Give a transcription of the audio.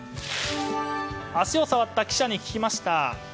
足を触った記者に聞きました。